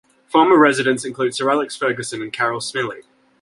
Former residents include Sir Alex Ferguson and Carol Smillie.